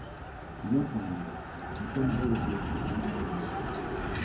Olina okuwandiika ate omale weekebejje ky'owandiise.